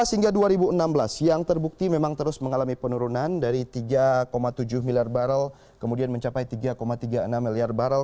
hingga dua ribu enam belas yang terbukti memang terus mengalami penurunan dari tiga tujuh miliar barrel kemudian mencapai tiga tiga puluh enam miliar barrel